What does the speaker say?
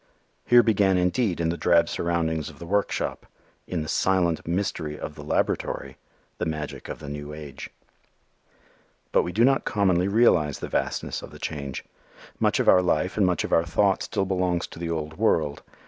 Here began indeed, in the drab surroundings of the workshop, in the silent mystery of the laboratory, the magic of the new age. But we do not commonly realize the vastness of the change. Much of our life and much of our thought still belongs to the old world.